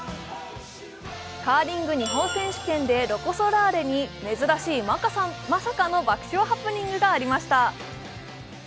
カーリング日本選手権でロコ・ソラーレに珍しいまさかの爆笑ハプニングがありました。